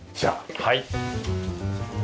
はい。